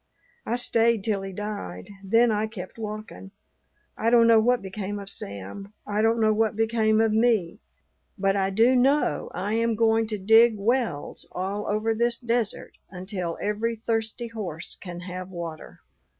I stayed till he died; then I kept walking. I don't know what became of Sam; I don't know what became of me; but I do know I am going to dig wells all over this desert until every thirsty horse can have water."